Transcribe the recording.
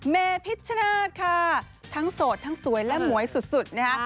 เมพิชชนาธิ์ค่ะทั้งโสดทั้งสวยและหมวยสุดนะคะ